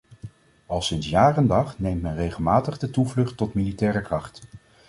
Al sinds jaar en dag neemt men regelmatig de toevlucht tot militaire kracht.